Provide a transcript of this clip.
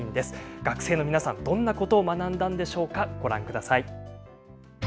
学生の皆さんどんなことを学んだんでしょうか。